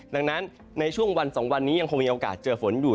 ดังนั้นในช่วงวัน๒วันนี้ยังคงมีโอกาสเจอฝนอยู่